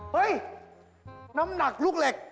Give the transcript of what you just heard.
เฮ้ยน้ำหนักลูกเหล็ก